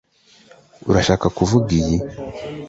urashaka kuvuga iyi